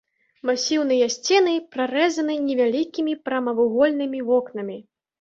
Масіўныя сцены прарэзаны невялікімі прамавугольнымі вокнамі.